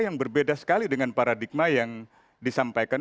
yang berbeda sekali dengan paradigma yang disampaikan